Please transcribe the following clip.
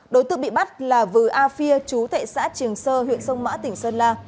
đối tượng bị bắt là vừa a phia chú thệ xã triềng sơ huyện sông mã tỉnh sơn la